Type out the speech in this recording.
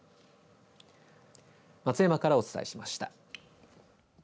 松山からお伝えしました。